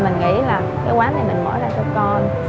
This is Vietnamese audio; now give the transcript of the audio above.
mình nghĩ là cái quán này mình mở ra cho con